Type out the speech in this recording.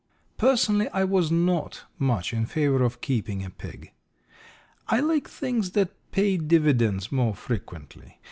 Personally I was not much in favour of keeping a pig. I like things that pay dividends more frequently.